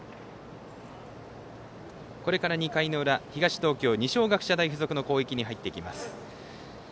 これから２回の裏、東東京二松学舎大付属の攻撃に入っていきます。